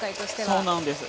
そうなんです。